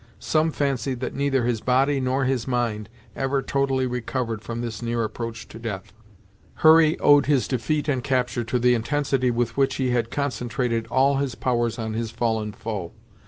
Some fancied that neither his body, nor his mind, ever totally recovered from this near approach to death. Hurry owed his defeat and capture to the intensity with which he had concentrated all his powers on his fallen foe.